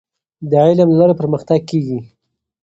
د علم له لارې پرمختګ کیږي.